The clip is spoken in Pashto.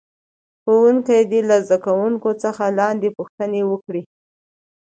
ښوونکی دې له زده کوونکو څخه لاندې پوښتنې وکړي.